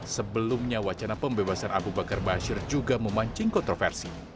sebelumnya wacana pembebasan abu bakar bashir juga memancing kontroversi